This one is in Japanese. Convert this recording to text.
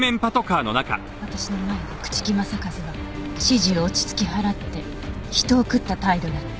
私の前で朽木政一は始終落ち着き払って人を食った態度だった。